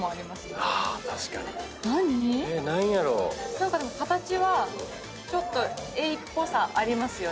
何かでも形はちょっとエイっぽさありますよね。